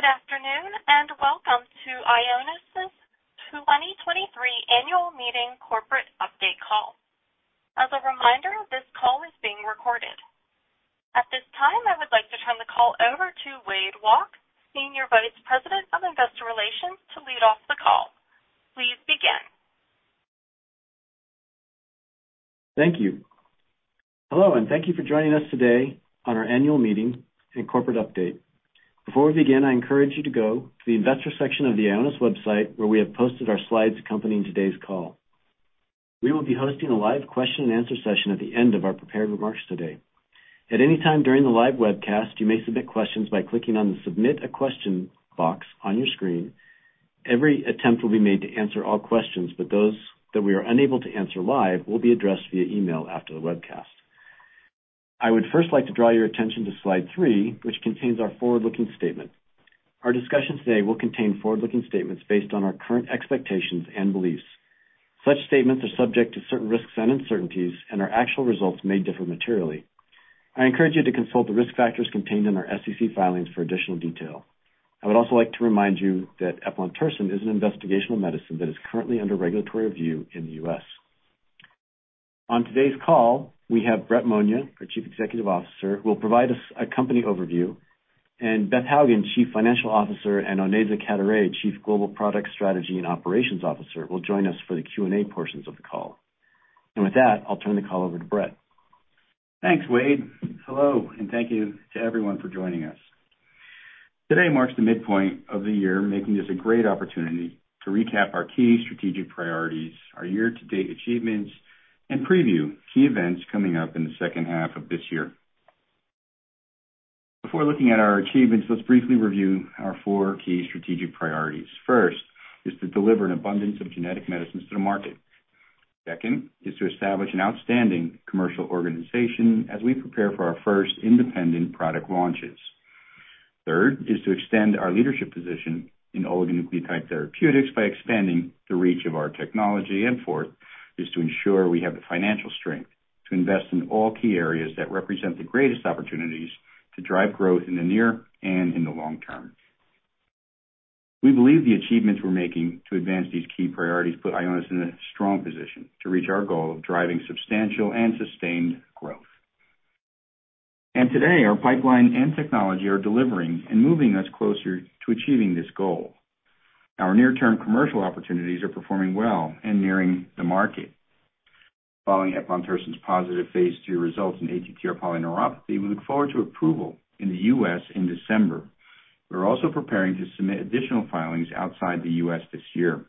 Good afternoon, welcome to Ionis's 2023 Annual Meeting Corporate Update Call. As a reminder, this call is being recorded. At this time, I would like to turn the call over to Wade Walke, Senior Vice President of Investor Relations, to lead off the call. Please begin. Thank you. Hello, and thank you for joining us today on our annual meeting and corporate update. Before we begin, I encourage you to go to the investor section of the Ionis website, where we have posted our slides accompanying today's call. We will be hosting a live question-and-answer session at the end of our prepared remarks today. At any time during the live webcast, you may submit questions by clicking on the Submit a Question box on your screen. Every attempt will be made to answer all questions, but those that we are unable to answer live will be addressed via email after the webcast. I would first like to draw your attention to Slide three, which contains our forward-looking statement. Our discussion today will contain forward-looking statements based on our current expectations and beliefs. Such statements are subject to certain risks and uncertainties, and our actual results may differ materially. I encourage you to consult the risk factors contained in our SEC filings for additional detail. I would also like to remind you that eplontersen is an investigational medicine that is currently under regulatory review in the U.S. On today's call, we have Brett Monia, our Chief Executive Officer, who will provide us a company overview, and Beth Hougen, Chief Financial Officer, and Onaiza Cadoret-Manier, Chief Global Product Strategy and Operations Officer, will join us for the Q&A portions of the call. With that, I'll turn the call over to Brett. Thanks, Wade. Hello, and thank you to everyone for joining us. Today marks the midpoint of the year, making this a great opportunity to recap our key strategic priorities, our year-to-date achievements, and preview key events coming up in the second half of this year. Before looking at our achievements, let's briefly review our four key strategic priorities. First is to deliver an abundance of genetic medicines to the market. Second is to establish an outstanding commercial organization as we prepare for our first independent product launches. Third is to extend our leadership position in oligonucleotide therapeutics by expanding the reach of our technology. Fourth is to ensure we have the financial strength to invest in all key areas that represent the greatest opportunities to drive growth in the near and in the long term. We believe the achievements we're making to advance these key priorities put Ionis in a strong position to reach our goal of driving substantial and sustained growth. Today, our pipeline and technology are delivering and moving us closer to achieving this goal. Our near-term commercial opportunities are performing well and nearing the market. Following eplontersen's positive phase II results in ATTR polyneuropathy, we look forward to approval in the U.S. in December. We're also preparing to submit additional filings outside the U.S. this year.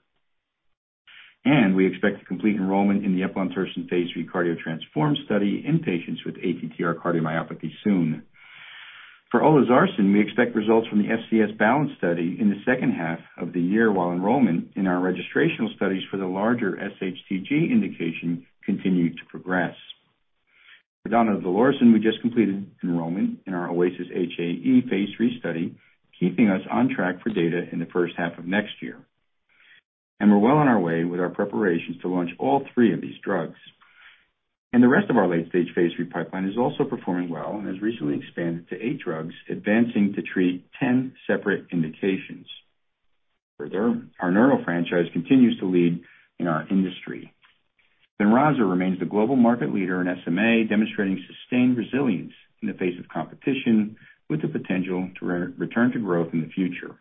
We expect to complete enrollment in the eplontersen phase III CARDIO-TTRansform study in patients with ATTR cardiomyopathy soon. For olezarsen, we expect results from the FCS BALANCE study in the second half of the year, while enrollment in our registrational studies for the larger SHTG indication continue to progress. For donidalorsen, we just completed enrollment in our OASIS-HAE phase III study, keeping us on track for data in the first half of next year. We're well on our way with our preparations to launch all three of these drugs. The rest of our late-stage phase III pipeline is also performing well and has recently expanded to eight drugs, advancing to treat 10 separate indications. Further, our neural franchise continues to lead in our industry. SPINRAZA remains the global market leader in SMA, demonstrating sustained resilience in the face of competition, with the potential to return to growth in the future.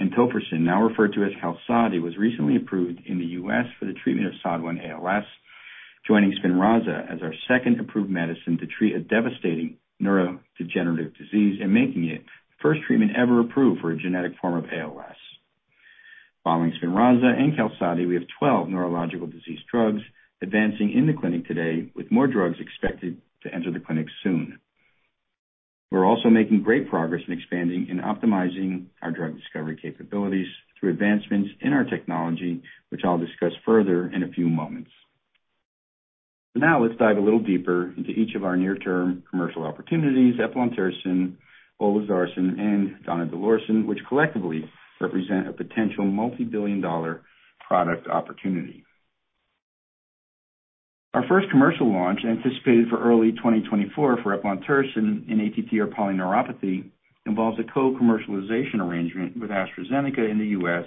Tofersen, now referred to as QALSODY, was recently approved in the U.S. for the treatment of SOD1-ALS, joining SPINRAZA as our second approved medicine to treat a devastating neurodegenerative disease and making it the first treatment ever approved for a genetic form of ALS. Following SPINRAZA and QALSODY, we have 12 neurological disease drugs advancing in the clinic today, with more drugs expected to enter the clinic soon. We're also making great progress in expanding and optimizing our drug discovery capabilities through advancements in our technology, which I'll discuss further in a few moments. Now let's dive a little deeper into each of our near-term commercial opportunities, eplontersen, olezarsen, and donidalorsen, which collectively represent a potential multi-billion dollar product opportunity. Our first commercial launch, anticipated for early 2024 for eplontersen in ATTR polyneuropathy, involves a co-commercialization arrangement with AstraZeneca in the U.S.,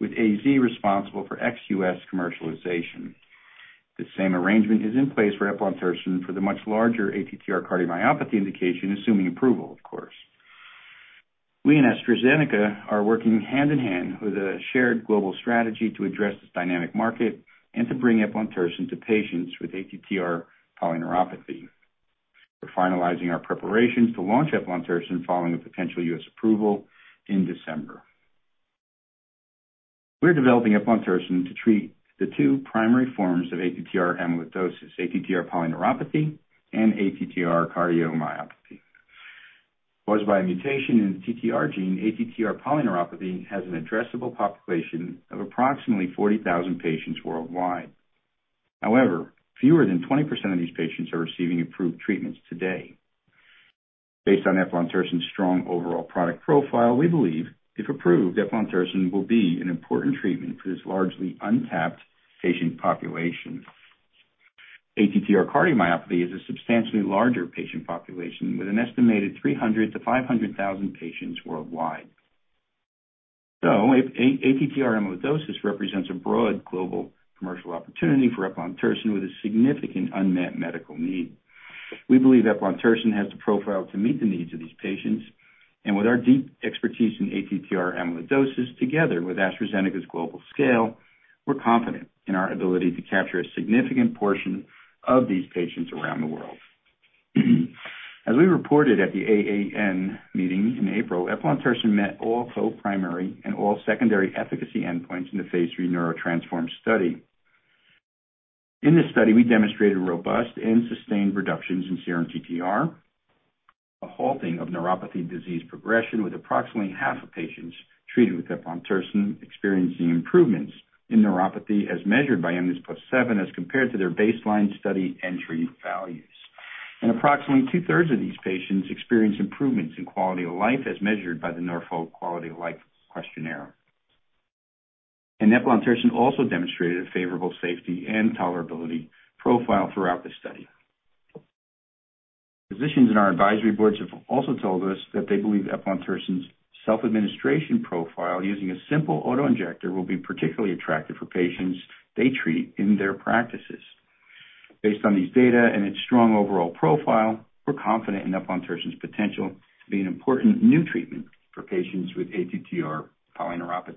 with AZ responsible for ex-U.S. commercialization. The same arrangement is in place for eplontersen for the much larger ATTR cardiomyopathy indication, assuming approval, of course. We and AstraZeneca are working hand-in-hand with a shared global strategy to address this dynamic market and to bring eplontersen to patients with ATTR polyneuropathy. We're finalizing our preparations to launch eplontersen following a potential U.S. approval in December. We're developing eplontersen to treat the two primary forms of ATTR amyloidosis, ATTR polyneuropathy and ATTR cardiomyopathy. Caused by a mutation in the TTR gene, ATTR polyneuropathy has an addressable population of approximately 40,000 patients worldwide. Fewer than 20% of these patients are receiving approved treatments today. Based on eplontersen's strong overall product profile, we believe, if approved, eplontersen will be an important treatment for this largely untapped patient population. ATTR cardiomyopathy is a substantially larger patient population, with an estimated 300,000-500,000 patients worldwide. ATTR amyloidosis represents a broad global commercial opportunity for eplontersen, with a significant unmet medical need. We believe eplontersen has the profile to meet the needs of these patients, and with our deep expertise in ATTR amyloidosis, together with AstraZeneca's global scale, we're confident in our ability to capture a significant portion of these patients around the world. As we reported at the AAN meeting in April, eplontersen met all co-primary and all secondary efficacy endpoints in the phase III NEURO-TTRansform study. In this study, we demonstrated robust and sustained reductions in serum TTR, a halting of neuropathy disease progression, with approximately half of patients treated with eplontersen experiencing improvements in neuropathy, as measured by mNIS+7, as compared to their baseline study entry values. Approximately two-thirds of these patients experienced improvements in quality of life, as measured by the Neuro-QOL quality of life questionnaire. Eplontersen also demonstrated a favorable safety and tolerability profile throughout the study. Physicians in our advisory boards have also told us that they believe eplontersen's self-administration profile, using a simple auto-injector, will be particularly attractive for patients they treat in their practices. Based on these data and its strong overall profile, we're confident in eplontersen's potential to be an important new treatment for patients with ATTR polyneuropathy.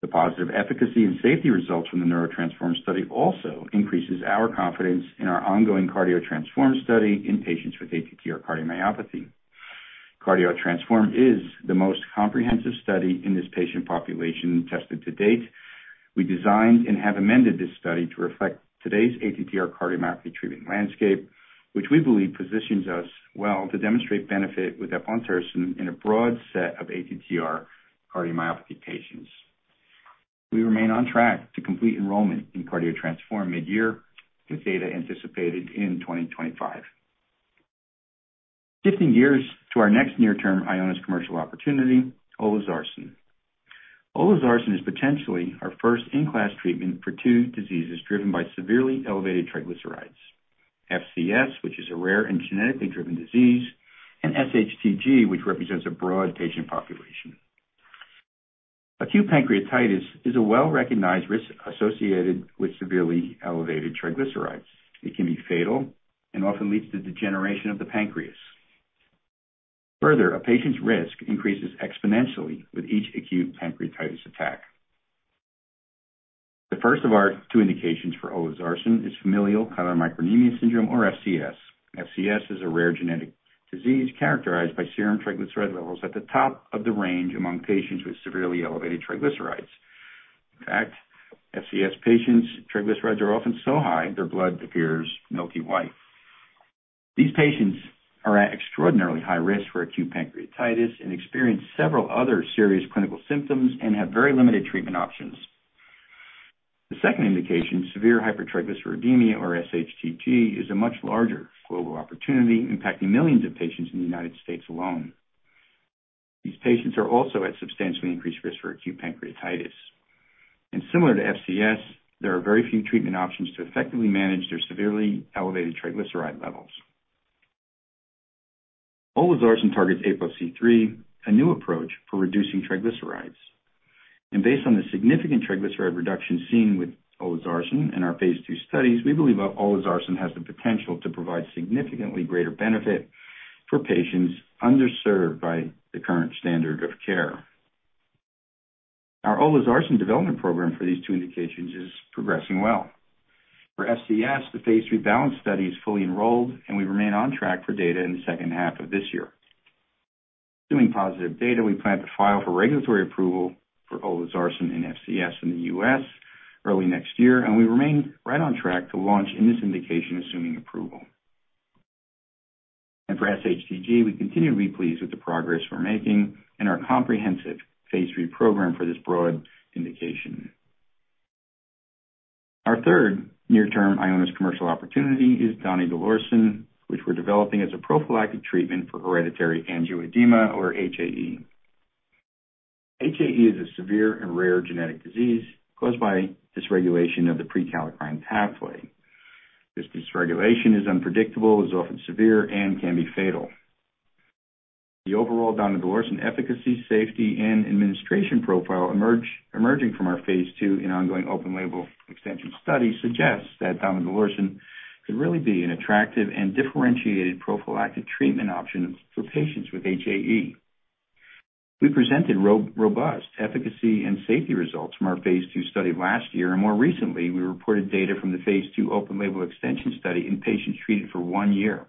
The positive efficacy and safety results from the NEURO-TTRansform study also increases our confidence in our ongoing CARDIO-TTRansform study in patients with ATTR cardiomyopathy. CARDIO-TTRansform is the most comprehensive study in this patient population tested to date. We designed and have amended this study to reflect today's ATTR cardiomyopathy treatment landscape, which we believe positions us well to demonstrate benefit with eplontersen in a broad set of ATTR cardiomyopathy patients. We remain on track to complete enrollment in CARDIO-TTRansform mid-year, with data anticipated in 2025. Shifting gears to our next near-term Ionis commercial opportunity, olezarsen. Olezarsen is potentially our first-in-class treatment for two diseases driven by severely elevated triglycerides: FCS, which is a rare and genetically driven disease, and SHTG, which represents a broad patient population. Acute pancreatitis is a well-recognized risk associated with severely elevated triglycerides. It can be fatal and often leads to degeneration of the pancreas. A patient's risk increases exponentially with each acute pancreatitis attack. The first of our two indications for olezarsen is familial chylomicronemia syndrome, or FCS. FCS is a rare genetic disease characterized by serum triglyceride levels at the top of the range among patients with severely elevated triglycerides. In fact, FCS patients' triglycerides are often so high their blood appears milky white. These patients are at extraordinarily high risk for acute pancreatitis and experience several other serious clinical symptoms and have very limited treatment options. The second indication, severe hypertriglyceridemia, or SHTG, is a much larger global opportunity, impacting millions of patients in the United States alone. These patients are also at substantially increased risk for acute pancreatitis. Similar to FCS, there are very few treatment options to effectively manage their severely elevated triglyceride levels. Olezarsen targets APOC3, a new approach for reducing triglycerides, and based on the significant triglyceride reduction seen with olezarsen in our phase II studies, we believe that olezarsen has the potential to provide significantly greater benefit for patients underserved by the current standard of care. Our olezarsen development program for these two indications is progressing well. For FCS, the phase III BALANCE study is fully enrolled, and we remain on track for data in the second half of this year. Assuming positive data, we plan to file for regulatory approval for olezarsen in FCS in the U.S. early next year, and we remain right on track to launch in this indication, assuming approval. For SHTG, we continue to be pleased with the progress we're making and our comprehensive phase III program for this broad indication. Our third near-term Ionis commercial opportunity is donidalorsen, which we're developing as a prophylactic treatment for hereditary angioedema, or HAE. HAE is a severe and rare genetic disease caused by dysregulation of the prekallikrein pathway. This dysregulation is unpredictable, is often severe, and can be fatal. The overall donidalorsen efficacy, safety, and administration profile emerging from our phase II and ongoing open-label extension study suggests that donidalorsen could really be an attractive and differentiated prophylactic treatment option for patients with HAE. We presented robust efficacy and safety results from our phase II study last year. More recently, we reported data from the phase II open-label extension study in patients treated for one year,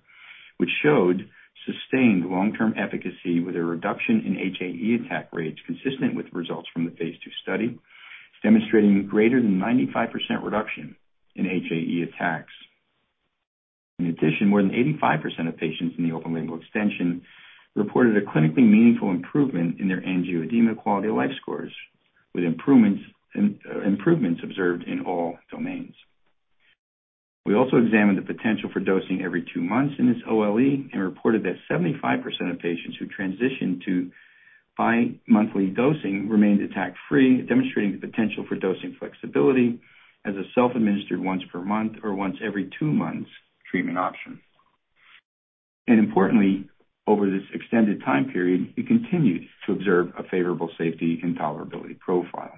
which showed sustained long-term efficacy with a reduction in HAE attack rates, consistent with results from the phase II study, demonstrating greater than 95% reduction in HAE attacks. In addition, more than 85% of patients in the open label extension reported a clinically meaningful improvement in their angioedema quality of life scores, with improvements observed in all domains. We also examined the potential for dosing every two months in this OLE, and reported that 75% of patients who transitioned to bi-monthly dosing remained attack-free, demonstrating the potential for dosing flexibility as a self-administered once per month or once every two months treatment option. Importantly, over this extended time period, we continued to observe a favorable safety and tolerability profile.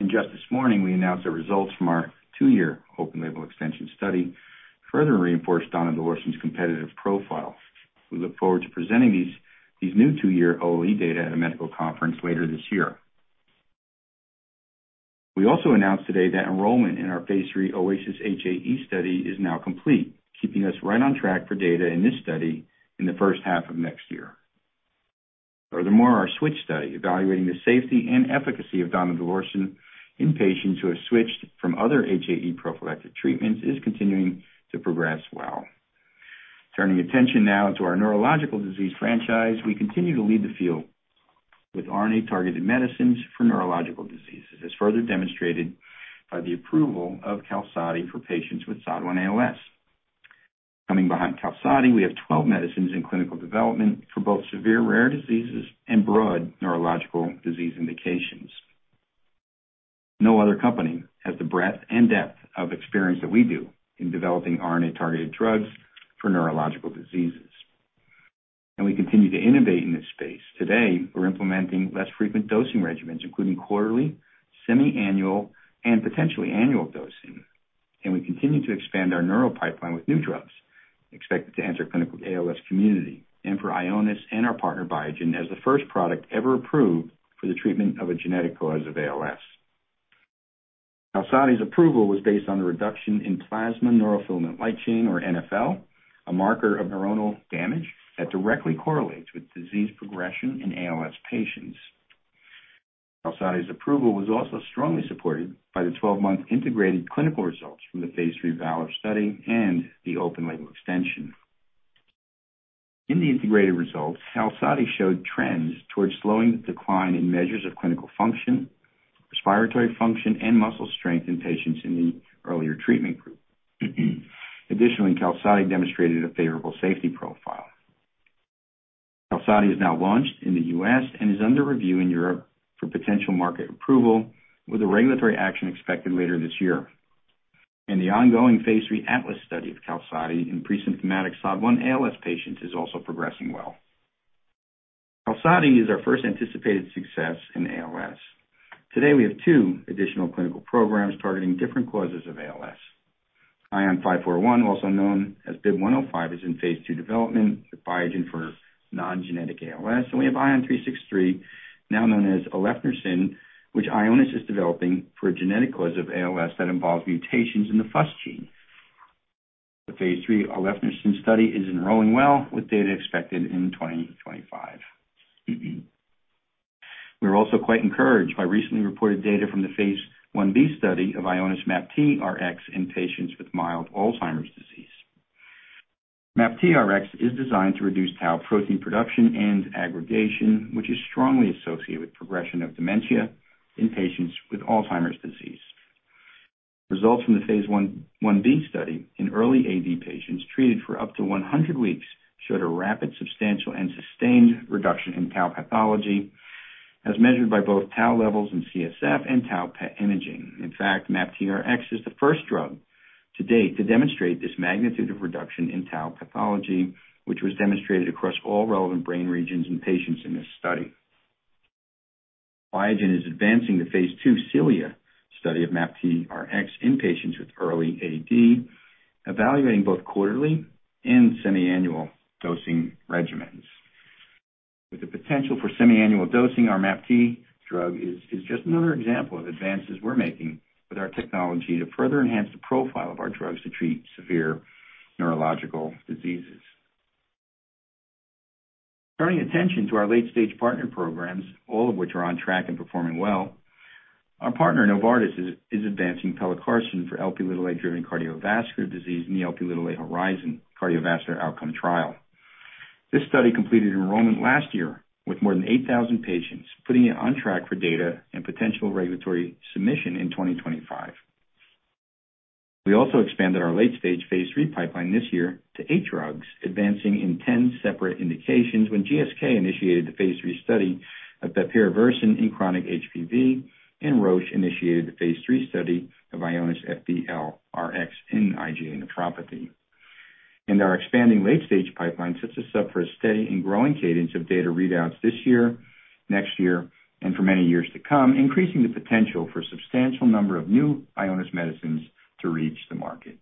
Just this morning, we announced the results from our two-year open label extension study, further reinforced donidalorsen's competitive profile. We look forward to presenting these new two-year OLE data at a medical conference later this year. We also announced today that enrollment in our phase III OASIS-HAE study is now complete, keeping us right on track for data in this study in the first half of next year. Our switch study, evaluating the safety and efficacy of donidalorsen in patients who have switched from other HAE prophylactic treatments, is continuing to progress well. Turning attention now to our neurological disease franchise, we continue to lead the field with RNA-targeted medicines for neurological diseases, as further demonstrated by the approval of QALSODY for patients with SOD1-ALS. Coming behind QALSODY, we have 12 medicines in clinical development for both severe rare diseases and broad neurological disease indications. No other company has the breadth and depth of experience that we do in developing RNA-targeted drugs for neurological diseases, and we continue to innovate in this space. Today, we're implementing less frequent dosing regimens, including quarterly, semi-annual, and potentially annual dosing. We continue to expand our neural pipeline with new drugs expected to enter clinical ALS community and for Ionis and our partner, Biogen, as the first product ever approved for the treatment of a genetic cause of ALS. QALSODY's approval was based on the reduction in plasma neurofilament light chain, or NfL, a marker of neuronal damage that directly correlates with disease progression in ALS patients. QALSODY's approval was also strongly supported by the 12-month integrated clinical results from the phase III VALOR study and the open-label extension. In the integrated results, QALSODY showed trends towards slowing the decline in measures of clinical function, respiratory function, and muscle strength in patients in the earlier treatment group. Additionally, QALSODY demonstrated a favorable safety profile. QALSODY is now launched in the U.S. and is under review in Europe for potential market approval, with a regulatory action expected later this year. The ongoing phase III ATLAS study of QALSODY in presymptomatic SOD1-ALS patients is also progressing well. QALSODY is our first anticipated success in ALS. Today, we have 2 additional clinical programs targeting different causes of ALS. ION541, also known as BIIB105, is in phase II development with Biogen for non-genetic ALS. We have ION363, now known as ulefnersen, which Ionis is developing for a genetic cause of ALS that involves mutations in the FUS gene. The phase III ulefnersen study is enrolling well, with data expected in 2025. We are also quite encouraged by recently reported data from the phase I-B study of IONIS-MAPTRx in patients with mild Alzheimer's disease. IONIS-MAPTRx is designed to reduce tau protein production and aggregation, which is strongly associated with progression of dementia in patients with Alzheimer's disease. Results from the phase I-B study in early AD patients treated for up to 100 weeks, showed a rapid, substantial, and sustained reduction in tau pathology, as measured by both tau levels in CSF and tau PET imaging. In fact, IONIS-MAPTRx is the first drug to date to demonstrate this magnitude of reduction in tau pathology, which was demonstrated across all relevant brain regions and patients in this study. Biogen is advancing the phase II CELIA study of IONIS-MAPTRx in patients with early AD, evaluating both quarterly and semi-annual dosing regimens. With the potential for semi-annual dosing, our MAPT drug is just another example of advances we're making with our technology to further enhance the profile of our drugs to treat severe neurological diseases. Turning attention to our late-stage partner programs, all of which are on track and performing well. Our partner, Novartis, is advancing pelacarsen for Lp(a)-driven cardiovascular disease in the Lp(a) HORIZON cardiovascular outcome trial. This study completed enrollment last year with more than 8,000 patients, putting it on track for data and potential regulatory submission in 2025. We also expanded our late-stage phase III pipeline this year to eight drugs, advancing in 10 separate indications when GSK initiated the phase III study of bepirovirsen in chronic HBV and Roche initiated the phase III study of IONIS-FB-LRx in IgA nephropathy. Our expanding late-stage pipeline sets us up for a steady and growing cadence of data readouts this year, next year, and for many years to come, increasing the potential for a substantial number of new Ionis medicines to reach the market.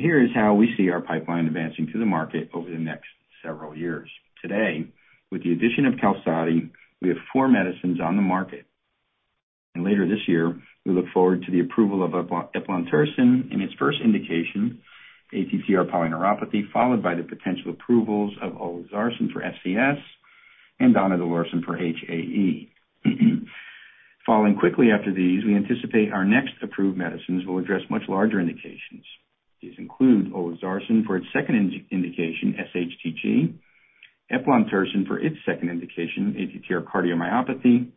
Here is how we see our pipeline advancing to the market over the next several years. Today, with the addition of QALSODY, we have four medicines on the market. Later this year, we look forward to the approval of eplontersen in its first indication, ATTR polyneuropathy, followed by the potential approvals of olezarsen for FCS and donidalorsen for HAE. Following quickly after these, we anticipate our next approved medicines will address much larger indications. These include olezarsen for its second in-indication, SHTG, eplontersen for its second indication, ATTR cardiomyopathy,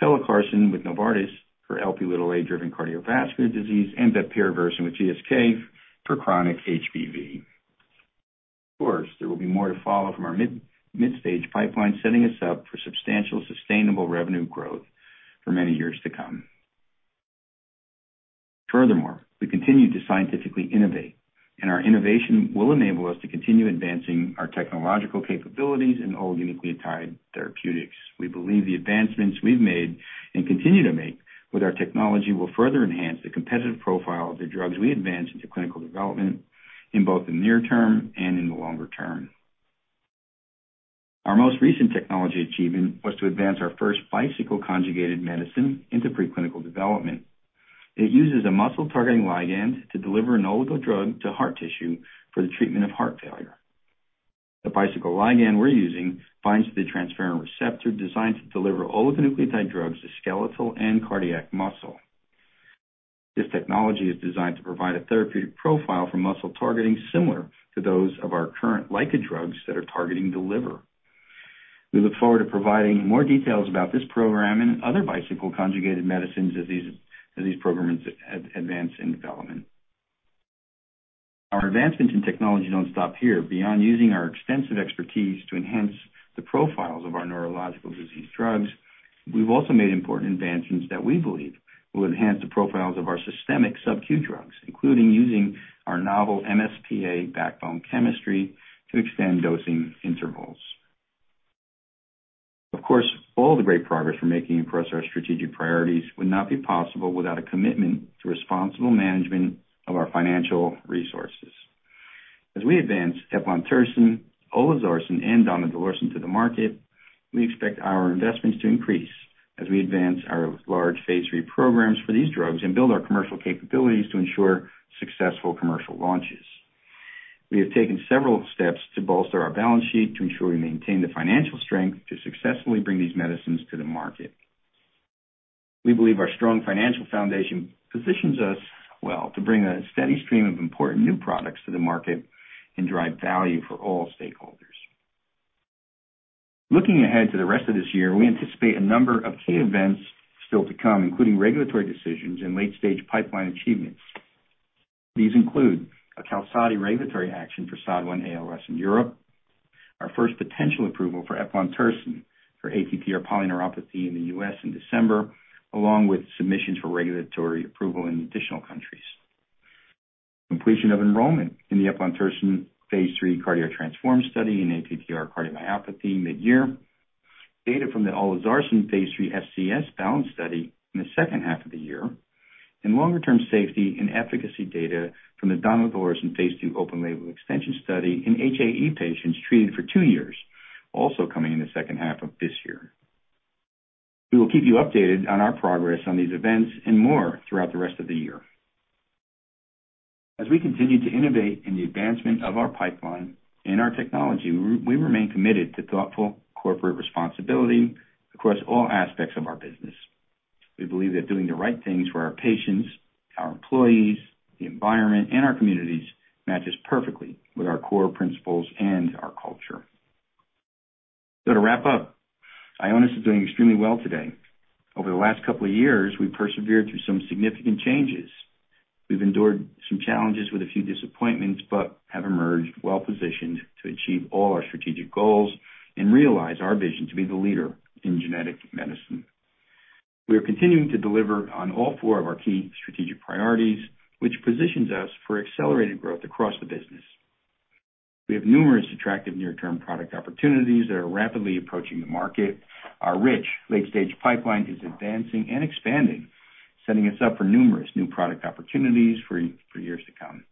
pelacarsen with Novartis for Lp(a)-driven cardiovascular disease, and bepirovirsen with GSK for chronic HBV. Of course, there will be more to follow from our mid-stage pipeline, setting us up for substantial, sustainable revenue growth for many years to come. Furthermore, we continue to scientifically innovate. Our innovation will enable us to continue advancing our technological capabilities in all oligonucleotide therapeutics. We believe the advancements we've made, and continue to make, with our technology will further enhance the competitive profile of the drugs we advance into clinical development in both the near term and in the longer term. Our most recent technology achievement was to advance our first Bicycle-conjugated medicine into preclinical development. It uses a muscle-targeting ligand to deliver an oligo drug to heart tissue for the treatment of heart failure. The Bicycle ligand we're using binds to the transferrin receptor designed to deliver oligonucleotide drugs to skeletal and cardiac muscle. This technology is designed to provide a therapeutic profile for muscle targeting, similar to those of our current LICA drugs that are targeting the liver. We look forward to providing more details about this program and other Bicycle conjugated medicines as these programs advance in development. Our advancements in technology don't stop here. Beyond using our extensive expertise to enhance the profiles of our neurological disease drugs, we've also made important advancements that we believe will enhance the profiles of our systemic sub-Q drugs, including using our novel MSPA backbone chemistry to extend dosing intervals. Of course, all the great progress we're making across our strategic priorities would not be possible without a commitment to responsible management of our financial resources. As we advance eplontersen, olezarsen, and donidalorsen to the market, we expect our investments to increase as we advance our large phase III programs for these drugs and build our commercial capabilities to ensure successful commercial launches. We have taken several steps to bolster our balance sheet to ensure we maintain the financial strength to successfully bring these medicines to the market. We believe our strong financial foundation positions us well to bring a steady stream of important new products to the market and drive value for all stakeholders. Looking ahead to the rest of this year, we anticipate a number of key events still to come, including regulatory decisions and late-stage pipeline achievements. These include a QALSODY regulatory action for SOD1-ALS in Europe, our first potential approval for eplontersen for ATTR polyneuropathy in the U.S. in December, along with submissions for regulatory approval in additional countries. Completion of enrollment in the eplontersen phase III CARDIO-TTRansform study in ATTR cardiomyopathy midyear, data from the olezarsen phase III FCS BALANCE study in the second half of the year, and longer-term safety and efficacy data from the donidalorsen phase II open-label extension study in HAE patients treated for two years, also coming in the second half of this year. We will keep you updated on our progress on these events and more throughout the rest of the year. As we continue to innovate in the advancement of our pipeline and our technology, we remain committed to thoughtful corporate responsibility across all aspects of our business. We believe that doing the right things for our patients, our employees, the environment, and our communities matches perfectly with our core principles and our culture. To wrap up, Ionis is doing extremely well today. Over the last couple of years, we've persevered through some significant changes. We've endured some challenges with a few disappointments, have emerged well-positioned to achieve all our strategic goals and realize our vision to be the leader in genetic medicine. We are continuing to deliver on all four of our key strategic priorities, which positions us for accelerated growth across the business. We have numerous attractive near-term product opportunities that are rapidly approaching the market. Our rich late-stage pipeline is advancing and expanding, setting us up for numerous new product opportunities for years to come.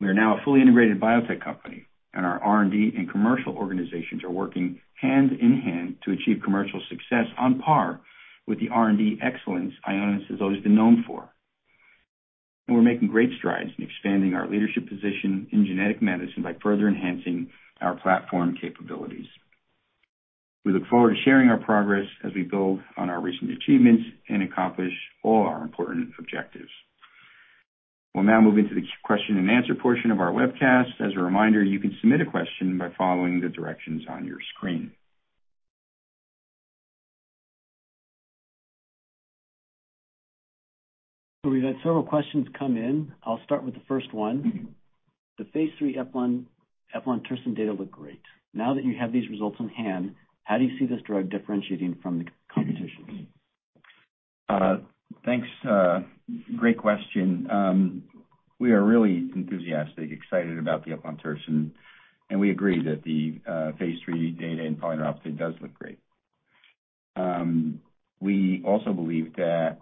We are now a fully integrated biotech company, our R&D and commercial organizations are working hand-in-hand to achieve commercial success on par with the R&D excellence Ionis has always been known for. We're making great strides in expanding our leadership position in genetic medicine by further enhancing our platform capabilities. We look forward to sharing our progress as we build on our recent achievements and accomplish all our important objectives. We'll now move into the question-and-answer portion of our webcast. As a reminder, you can submit a question by following the directions on your screen. We've had several questions come in. I'll start with the first one. The phase III eplontersen data looked great. Now that you have these results in hand, how do you see this drug differentiating from the competition? Thanks. Great question. We are really enthusiastic, excited about the eplontersen, and we agree that the phase III data in polyneuropathy does look great. We also believe that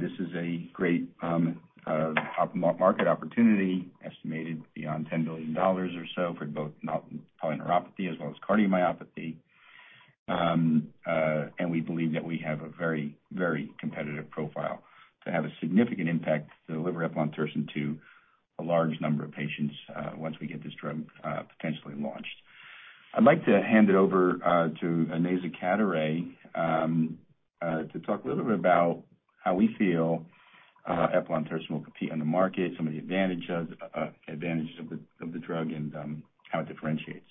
this is a great market opportunity, estimated beyond $10 billion or so for both polyneuropathy as well as cardiomyopathy. We believe that we have a very competitive profile to have a significant impact to deliver eplontersen to a large number of patients once we get this drug potentially launched. I'd like to hand it over to Onaiza Cadoret-Manier to talk a little bit about how we feel eplontersen will compete on the market, some of the advantages of the drug, and how it differentiates.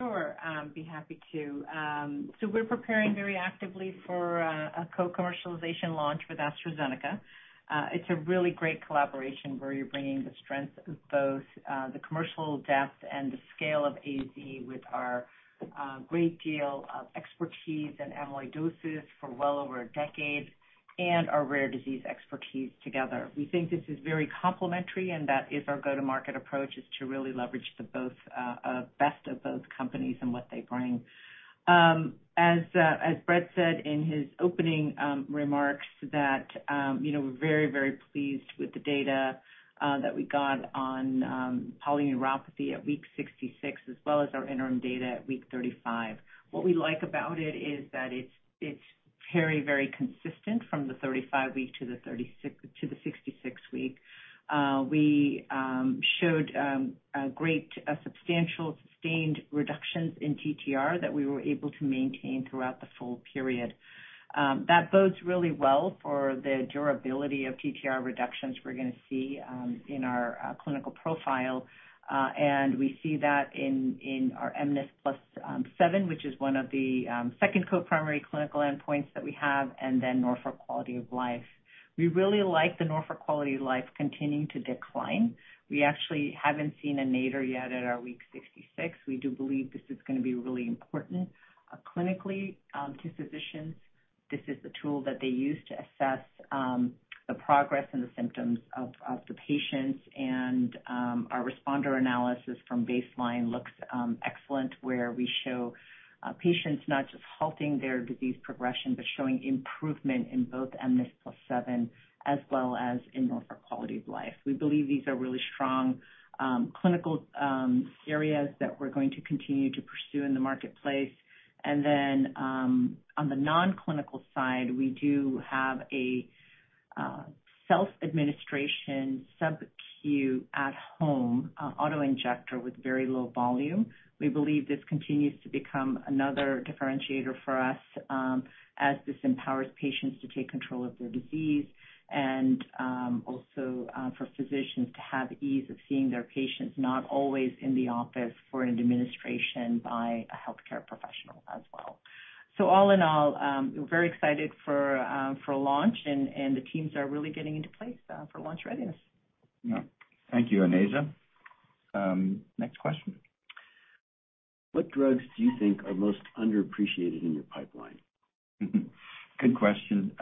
Sure, I'd be happy to. We're preparing very actively for a co-commercialization launch with AstraZeneca. It's a really great collaboration where you're bringing the strength of both the commercial depth and the scale of AZ with our great deal of expertise in amyloidosis for well over a decade and our rare disease expertise together. We think this is very complementary, and that is our go-to-market approach, is to really leverage the best of both companies and what they bring. As Brett said in his opening remarks, you know, we're very, very pleased with the data that we got on polyneuropathy at week 66, as well as our interim data at week 35. What we like about it is that it's very, very consistent from the 35-week to the 36- to the 66-week. We showed a great, substantial sustained reductions in TTR that we were able to maintain throughout the full period. That bodes really well for the durability of TTR reductions we're gonna see in our clinical profile. We see that in our mNIS+7, which is one of the second co-primary clinical endpoints that we have, and then Norfolk Quality of Life. We really like the Norfolk Quality of Life continuing to decline. We actually haven't seen a nadir yet at our week 66. We do believe this is gonna be really important clinically to physicians. This is the tool that they use to assess the progress and the symptoms of the patients. Our responder analysis from baseline looks excellent, where we show patients not just halting their disease progression, but showing improvement in both mNIS+7 as well as in Norfolk Quality of Life. We believe these are really strong clinical areas that we're going to continue to pursue in the marketplace. On the non-clinical side, we do have a self-administration sub-Q at-home auto-injector with very low volume. We believe this continues to become another differentiator for us, as this empowers patients to take control of their disease and also for physicians to have ease of seeing their patients, not always in the office for an administration by a healthcare professional as well. All in all, we're very excited for launch, and the teams are really getting into place for launch readiness. Yeah. Thank you, Onaiza. next question. What drugs do you think are most underappreciated in your pipeline? Good question.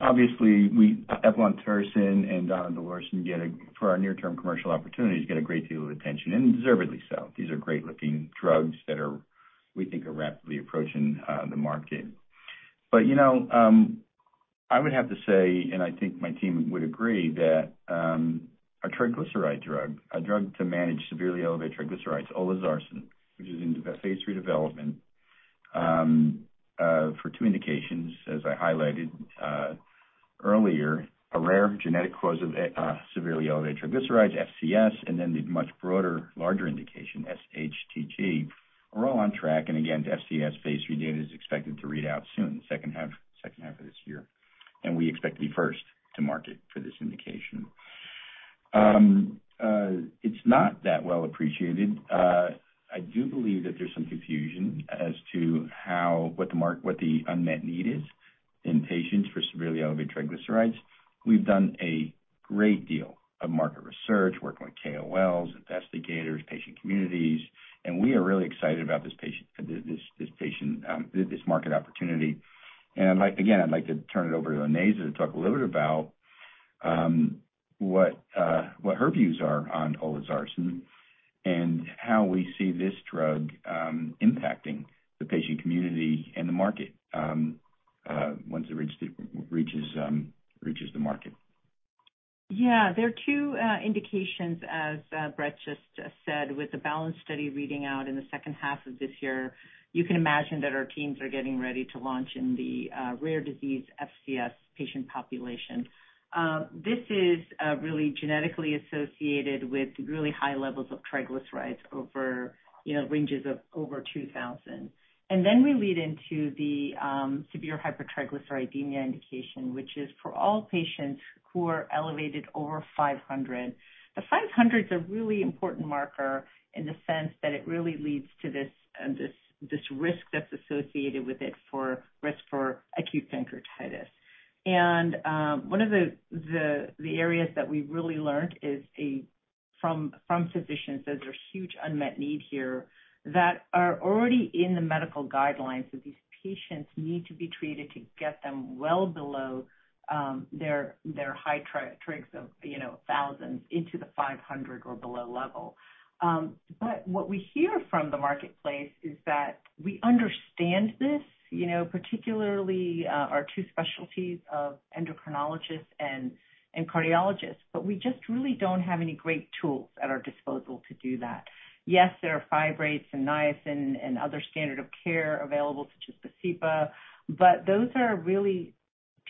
Obviously, we, eplontersen and donidalorsen get a, for our near-term commercial opportunities, get a great deal of attention, and deservedly so. These are great-looking drugs that are, we think, are rapidly approaching the market. You know, I would have to say, and I think my team would agree, that our triglyceride drug, a drug to manage severely elevated triglycerides, olezarsen, which is in phase III development, for two indications, as I highlighted earlier, a rare genetic cause of severely elevated triglycerides, FCS, and then the much broader, larger indication, SHTG, are all on track. Again, the FCS phase III data is expected to read out soon, second half of this year, and we expect to be first to market for this indication. It's not that well appreciated. I do believe that there's some confusion as to how what the unmet need is in patients for severely elevated triglycerides. We've done a great deal of market research, working with KOLs, investigators, patient communities, and we are really excited about this patient, this market opportunity. Again, I'd like to turn it over to Onaiza to talk a little bit about what her views are on olezarsen and how we see this drug impacting the patient community and the market once it reaches the market. Yeah. There are two indications, as Brett just said, with the BALANCE study reading out in the second half of this year. You can imagine that our teams are getting ready to launch in the rare disease FCS patient population. This is really genetically associated with really high levels of triglycerides over, you know, ranges of over 2,000. Then we lead into the severe hypertriglyceridemia indication, which is for all patients who are elevated over 500. The 500 is a really important marker in the sense that it really leads to this risk that's associated with it for risk for acute pancreatitis. One of the areas that we really learned is from physicians, that there's huge unmet need here, that are already in the medical guidelines, that these patients need to be treated to get them well below, their high trigs of, you know, thousands into the 500 or below level. What we hear from the marketplace is that we understand this, you know, particularly, our two specialties of endocrinologists and cardiologists, but we just really don't have any great tools at our disposal to do that. Yes, there are fibrates and niacin and other standard of care available, such as Vascepa, but those are really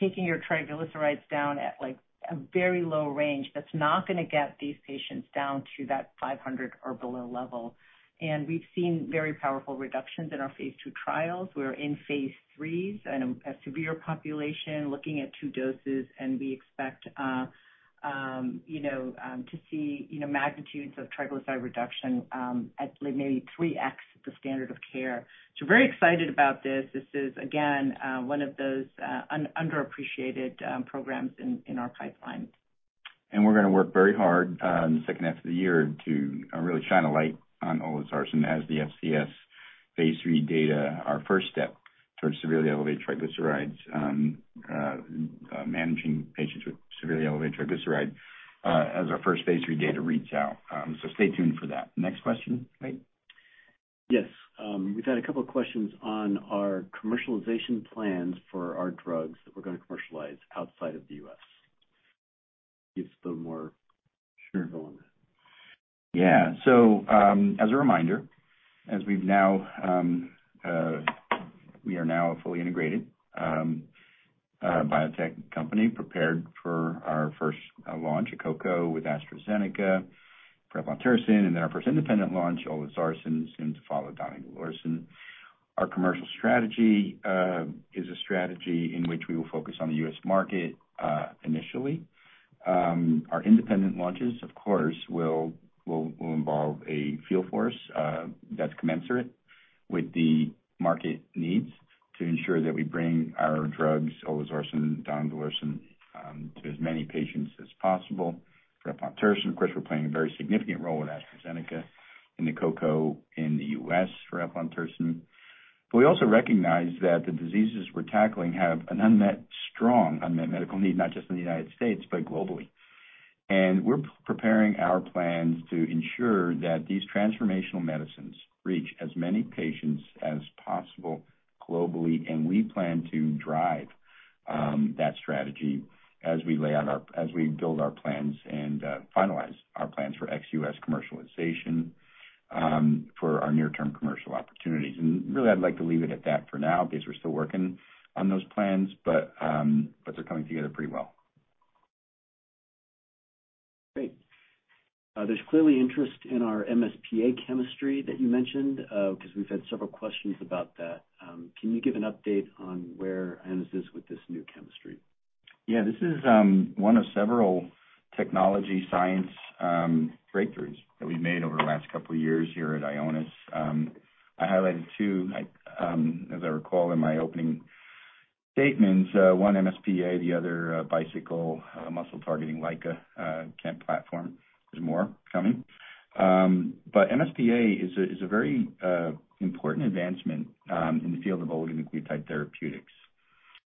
taking your triglycerides down at, like, a very low range, that's not gonna get these patients down to that 500 or below level. We've seen very powerful reductions in our phase II trials. We're in phase III in a severe population, looking at two doses. We expect, you know, to see, you know, magnitudes of triglyceride reduction at like maybe 3x the standard of care. Very excited about this. This is, again, one of those underappreciated programs in our pipeline. We're gonna work very hard in the second half of the year to really shine a light on olezarsen as the FCS phase III data, our first step towards severely elevated triglycerides, managing patients with severely elevated triglyceride as our first phase III data reads out. Stay tuned for that. Next question, Wade? Yes. We've had a couple of questions on our commercialization plans for our drugs that we're going to commercialize outside of the U.S. Sure. Go on that. Yeah. as a reminder, as we've now, we are now a fully integrated biotech company prepared for our first launch, eplontersen with AstraZeneca, eplontersen, and then our first independent launch, olezarsen, soon to follow donidalorsen. Our commercial strategy is a strategy in which we will focus on the U.S. market initially. Our independent launches, of course, will involve a field force that's commensurate with the market needs to ensure that we bring our drugs, olezarsen, donidalorsen, to as many patients as possible. Eplontersen, of course, we're playing a very significant role with AstraZeneca in the eplontersen in the U.S. for Eplontersen. We also recognize that the diseases we're tackling have a strong unmet medical need, not just in the United States, but globally. We're preparing our plans to ensure that these transformational medicines reach as many patients as possible globally. We plan to drive that strategy as we build our plans and finalize our plans for ex-U.S. commercialization for our near-term commercial opportunities. Really, I'd like to leave it at that for now because we're still working on those plans, but they're coming together pretty well. Great. There's clearly interest in our MSPA chemistry that you mentioned, because we've had several questions about that. Can you give an update on where Ionis is with this new chemistry? Yeah, this is one of several technology science breakthroughs that we've made over the last couple of years here at Ionis. I highlighted two, as I recall in my opening statements, one MSPA, the other Bicycle muscle targeting LICA chem platform. There's more coming. MSPA is a very important advancement in the field of oligonucleotide therapeutics.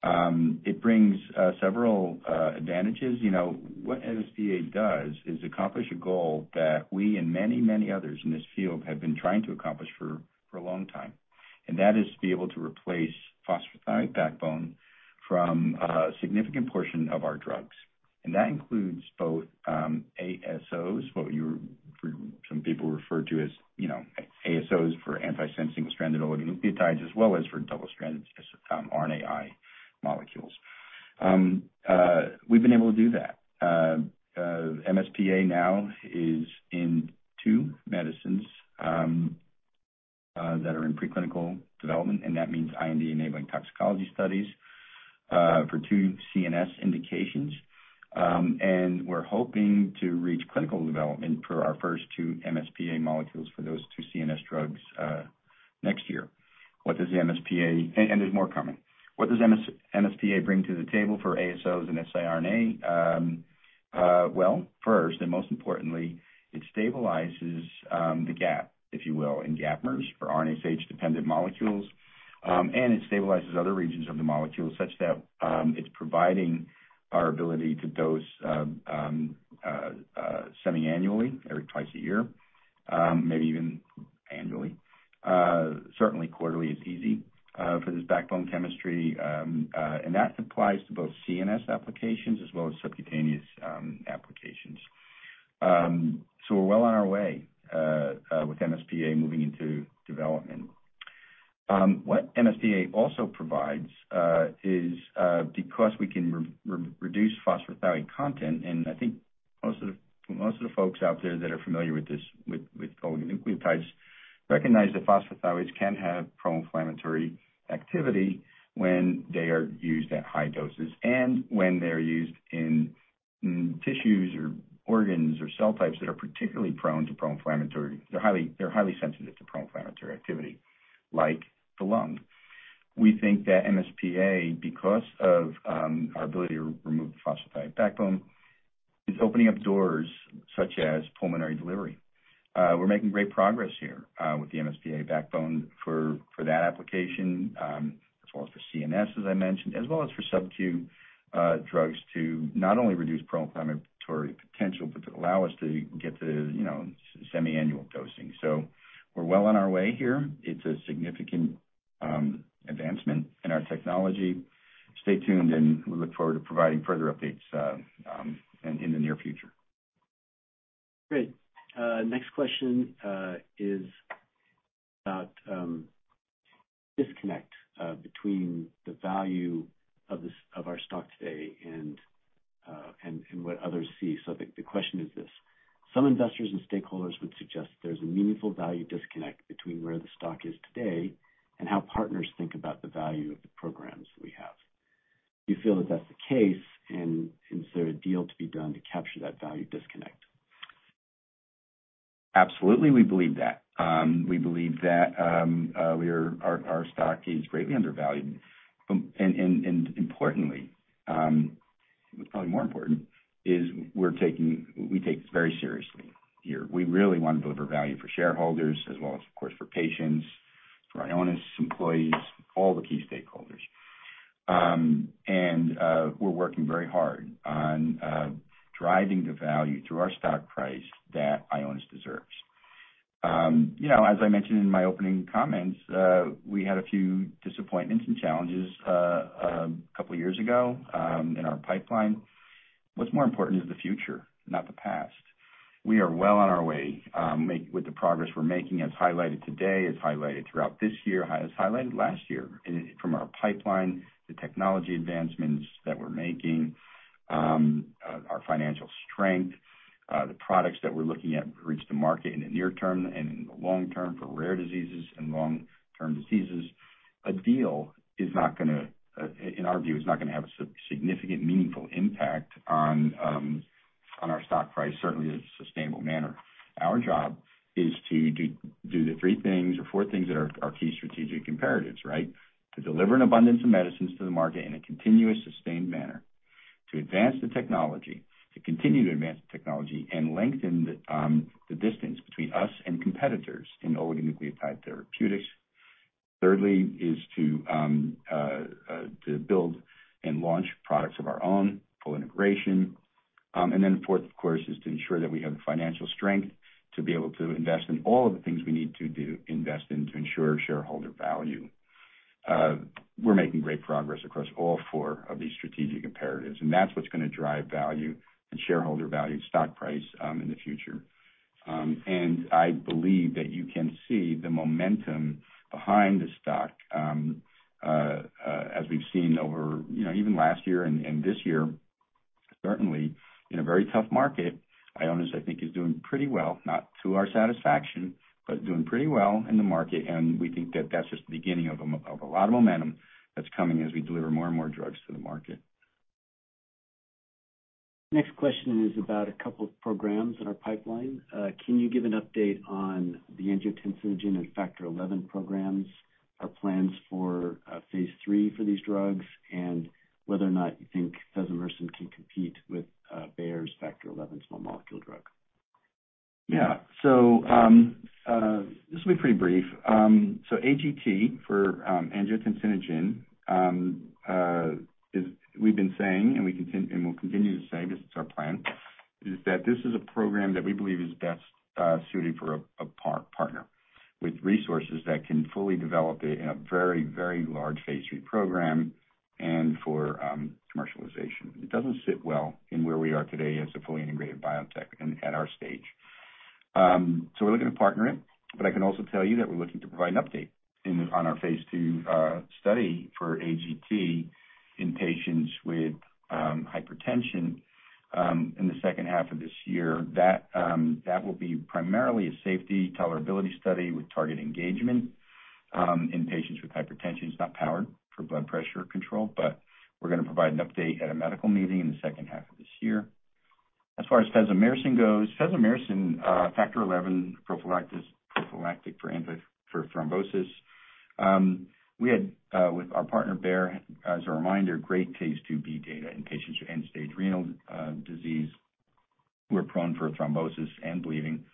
It brings several advantages. You know, what MSPA does is accomplish a goal that we and many others in this field have been trying to accomplish for a long time, and that is to be able to replace phosphorothioate backbone from a significant portion of our drugs. That includes both ASOs, what some people refer to as, you know, ASOs for antisense stranded oligonucleotides, as well as for double-stranded RNAi molecules. We've been able to do that. MSPA now is in two medicines that are in preclinical development, and that means IND-enabling toxicology studies for two CNS indications. We're hoping to reach clinical development for our first two MSPA molecules for those two CNS drugs next year. What does the MSPA... There's more coming. What does MSPA bring to the table for ASOs and siRNA? First and most importantly, it stabilizes the gap, if you will, in gapmers for RNase H-dependent molecules, and it stabilizes other regions of the molecule such that it's providing our ability to dose semiannually, every twice a year, maybe even annually. Certainly quarterly is easy for this backbone chemistry, and that applies to both CNS applications as well as subcutaneous applications. We're well on our way with MSPA moving into development. What MSPA also provides is because we can reduce phosphorothioate content, and I think most of the folks out there that are familiar with this, with oligonucleotides, recognize that phosphorothioates can have pro-inflammatory activity when they are used at high doses and when they're used in tissues or organs or cell types that are particularly prone to pro-inflammatory. They're highly sensitive to pro-inflammatory activity, like the lung. We think that MSPA, because of our ability to remove the phosphorothioate backbone, is opening up doors such as pulmonary delivery. We're making great progress here with the MSPA backbone for that application, as well as for CNS, as I mentioned, as well as for sub-Q drugs to not only reduce pro-inflammatory potential, but to allow us to get to, you know, semiannual dosing. We're well on our way here. It's a significant advancement in our technology. Stay tuned. We look forward to providing further updates in the near future. Great. Next question is about disconnect between the value of this, of our stock today and what others see. The question is this: Some investors and stakeholders would suggest there's a meaningful value disconnect between where the stock is today and how partners think about the value of the programs we have. Do you feel that that's the case, and is there a deal to be done to capture that value disconnect? Absolutely, we believe that. We believe that our stock is greatly undervalued. Importantly, what's probably more important, is We take this very seriously here. We really want to deliver value for shareholders as well as, of course, for patients, for Ionis employees, all the key stakeholders. We're working very hard on driving the value through our stock price that Ionis deserves. You know, as I mentioned in my opening comments, we had a few disappointments and challenges two years ago in our pipeline. What's more important is the future, not the past. We are well on our way with the progress we're making, as highlighted today, as highlighted throughout this year, as highlighted last year, and from our pipeline, the technology advancements that we're making, our financial strength, the products that we're looking at to reach the market in the near term and in the long term for rare diseases and long-term diseases. A deal is not gonna, in our view, is not gonna have a significant, meaningful impact on our stock price, certainly in a sustainable manner. Our job is to do the three things or four things that are our key strategic imperatives, right? To deliver an abundance of medicines to the market in a continuous, sustained manner, to advance the technology, to continue to advance the technology and lengthen the distance between us and competitors in oligonucleotide therapeutics. Thirdly, is to build and launch products of our own, full integration. Then fourth, of course, is to ensure that we have the financial strength to be able to invest in all of the things we need to do, invest in to ensure shareholder value. We're making great progress across all four of these strategic imperatives, that's what's gonna drive value and shareholder value, stock price in the future. I believe that you can see the momentum behind the stock, as we've seen over, you know, even last year and this year, certainly in a very tough market, Ionis, I think, is doing pretty well, not to our satisfaction, but doing pretty well in the market. We think that that's just the beginning of a lot of momentum that's coming as we deliver more and more drugs to the market. Next question is about a couple of programs in our pipeline. Can you give an update on the angiotensinogen and Factor XI programs, our plans for phase III for these drugs, and whether or not you think fesomersen can compete with Bayer's Factor XI small molecule drug? Yeah. This will be pretty brief. AGT for angiotensinogen is, we've been saying, and we'll continue to say, because it's our plan, is that this is a program that we believe is best suited for a partner with resources that can fully develop it in a very, very large phase III program and for commercialization. It doesn't sit well in where we are today as a fully integrated biotech and at our stage. We're looking to partner it, but I can also tell you that we're looking to provide an update in the, on our phase II study for AGT in patients with hypertension in the second half of this year. That will be primarily a safety tolerability study with target engagement in patients with hypertension. It's not powered for blood pressure control, we're gonna provide an update at a medical meeting in the second half of this year. As far as fesomersen goes, fesomersen, Factor XI, prophylactic for thrombosis. We had, with our partner, Bayer, as a reminder, great phase II-B data in patients with end-stage renal disease, who are prone for thrombosis and bleeding.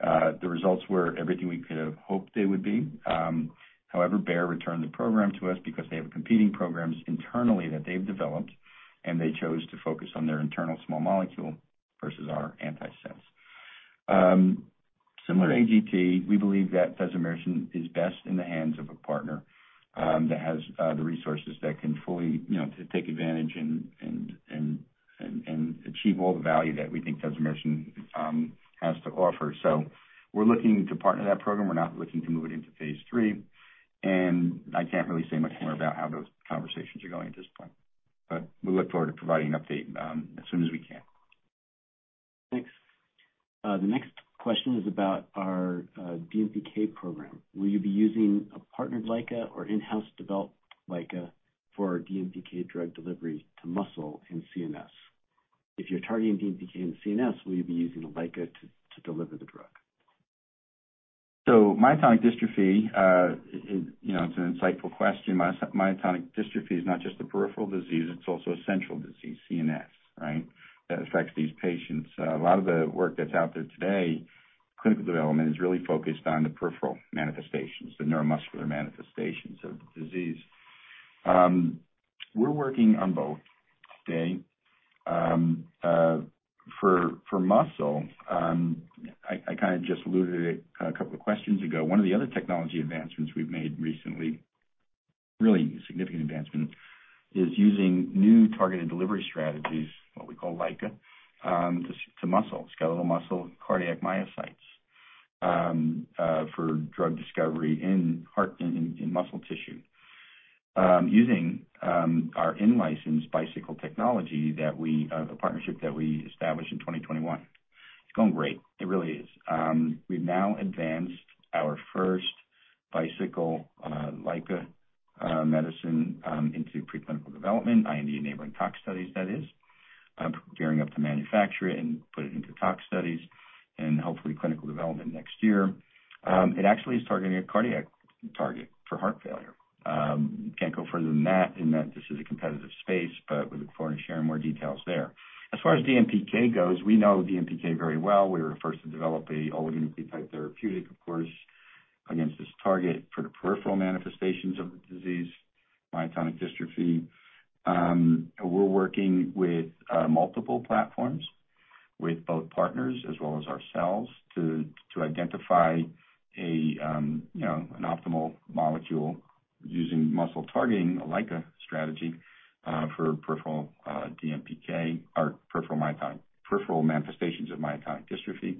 The results were everything we could have hoped they would be. Bayer returned the program to us because they have competing programs internally that they've developed, and they chose to focus on their internal small molecule versus our antisense. Similar to AGT, we believe that fesomersen is best in the hands of a partner that has the resources that can fully, you know, to take advantage and achieve all the value that we think fesomersen has to offer. We're looking to partner that program. We're not looking to move it into phase III I can't really say much more about how those conversations are going at this point, but we look forward to providing an update as soon as we can. Thanks. The next question is about our DMPK program. Will you be using a partnered LICA or in-house developed LICA for our DMPK drug delivery to muscle and CNS? If you're targeting DMPK and CNS, will you be using a LICA to deliver the drug? Myotonic dystrophy, it, you know, it's an insightful question. Myotonic dystrophy is not just a peripheral disease, it's also a central disease, CNS, right, that affects these patients. A lot of the work that's out there today, clinical development, is really focused on the peripheral manifestations, the neuromuscular manifestations of the disease. We're working on both today. For muscle, I kind of just alluded to it a couple of questions ago. One of the other technology advancements we've made recently, really significant advancement is using new targeted delivery strategies, what we call LICA, to muscle, skeletal muscle, cardiac myocytes, for drug discovery in heart and in muscle tissue. Using our in-licensed Bicycle technology that we, a partnership that we established in 2021. It's going great. It really is. We've now advanced our first Bicycle LICA medicine into preclinical development, IND-enabling tox studies, that is. Gearing up to manufacture it and put it into tox studies and hopefully clinical development next year. It actually is targeting a cardiac target for heart failure. Can't go further than that, in that this is a competitive space, but we look forward to sharing more details there. As far as DMPK goes, we know DMPK very well. We were the first to develop an oligonucleotide therapeutic, of course, against this target for the peripheral manifestations of the disease, myotonic dystrophy. We're working with multiple platforms with both partners as well as ourselves to identify a, you know, an optimal molecule using muscle targeting, a LICA strategy, for peripheral DMPK or peripheral manifestations of myotonic dystrophy.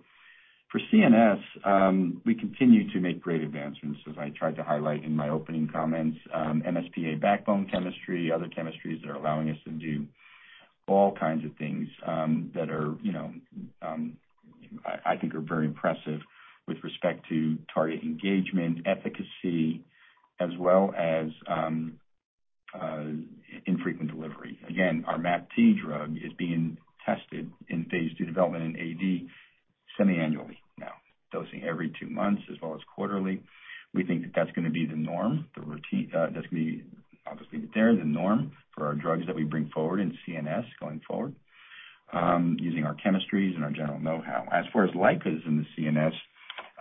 For CNS, we continue to make great advancements, as I tried to highlight in my opening comments. MSPA backbone chemistry, other chemistries that are allowing us to do all kinds of things, you know, I think are very impressive with respect to target engagement, efficacy, as well as infrequent delivery. Again, our MAPT drug is being tested in phase II development in AD semiannually now, dosing every 2 months as well as quarterly. We think that that's going to be the norm, the routine, that's going to be obviously there, the norm for our drugs that we bring forward in CNS going forward, using our chemistries and our general know-how. As far as LICAs in the CNS,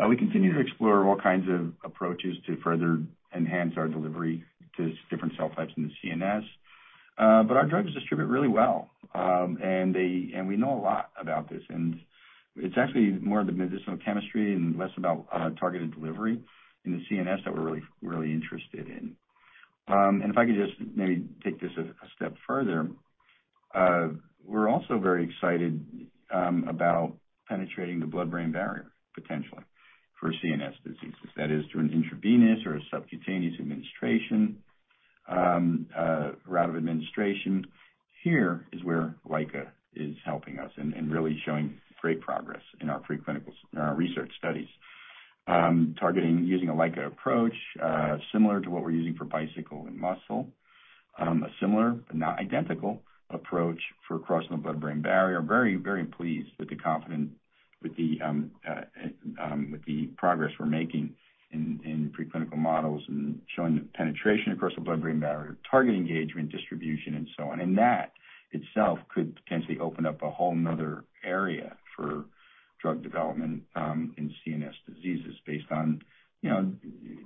we continue to explore all kinds of approaches to further enhance our delivery to different cell types in the CNS. But our drugs distribute really well, and we know a lot about this, and it's actually more of the medicinal chemistry and less about targeted delivery in the CNS that we're really interested in. If I could just maybe take this a step further, we're also very excited about penetrating the blood-brain barrier, potentially, for CNS diseases. That is, through an intravenous or a subcutaneous administration route of administration. Here is where LICA is helping us and really showing great progress in our preclinical, in our research studies. Targeting, using a LICA approach, similar to what we're using for Bicycle and muscle. A similar, but not identical, approach for crossing the blood-brain barrier. Very, very pleased with the confidence, with the progress we're making in preclinical models and showing the penetration across the blood-brain barrier, target engagement, distribution, and so on. That itself could potentially open up a whole another area for drug development in CNS diseases based on, you know,